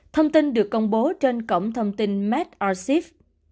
thông tin được công bố trên cổng thông tin medrxiv